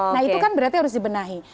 nah itu kan berarti harus dibenahi